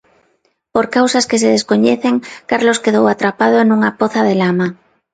Por causas que se descoñecen Carlos quedou atrapado nunha poza de lama.